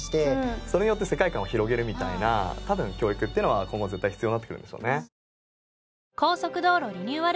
それによって世界観を広げるみたいな多分教育っていうのは今後絶対必要になってくるんでしょうね。